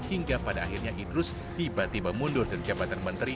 hingga pada akhirnya idrus tiba tiba mundur dari jabatan menteri